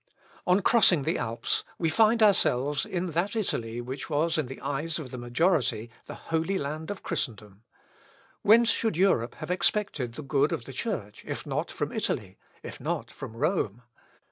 On crossing the Alps, we find ourselves in that Italy which was in the eyes of the majority the Holy Land of Christendom. Whence should Europe have expected the good of the Church if not from Italy, if not from Rome?